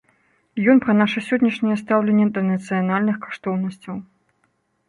Ён пра наша сённяшняе стаўленне да нацыянальных каштоўнасцяў.